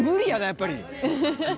やっぱり。